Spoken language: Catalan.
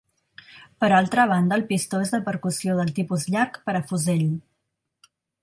Per altra banda el pistó és de percussió del tipus llarg per a fusell.